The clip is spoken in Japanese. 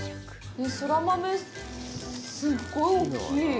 そら豆、すっごい大きい。